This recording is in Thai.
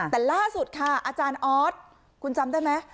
แต่ล่าสุดค่ะอาจารย์ออสคุณจำได้ไหม